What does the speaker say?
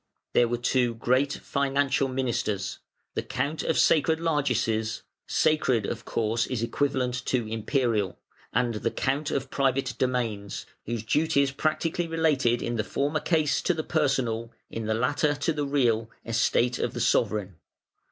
There were two great financial ministers, the Count of Sacred Largesses ("sacred", of course, is equivalent to "Imperial"), and the Count of Private Domains, whose duties practically related in the former case to the personal, in the latter to the real, estate of the sovereign.